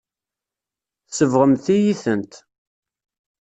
Tsebɣemt-iyi-tent.